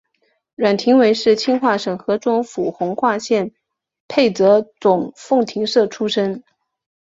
阮廷闻是清化省河中府弘化县沛泽总凤亭社出生。